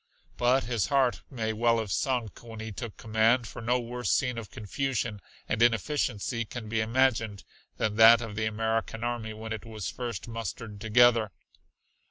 But his heart may well have sunk when he took command, for no worse scene of confusion and inefficiency can be imagined than that of the American army when it was first mustered together.